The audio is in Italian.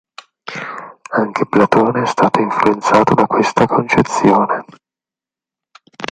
Anche Platone è stato influenzato da questa concezione.